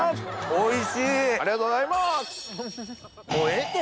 おいしい。